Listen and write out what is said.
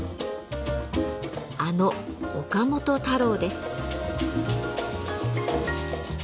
あの岡本太郎です。